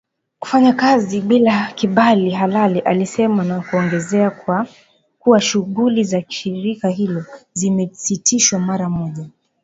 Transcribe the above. Kufanya kazi bila kibali halali alisema na kuongeza kuwa shughuli za shirika hilo zimesitishwa mara moja